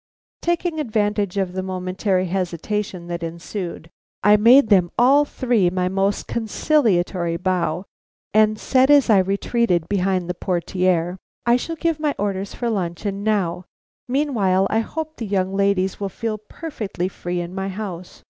Taking advantage of the momentary hesitation that ensued, I made them all three my most conciliatory bow, and said as I retreated behind the portière: "I shall give my orders for luncheon now. Meanwhile, I hope the young ladies will feel perfectly free in my house.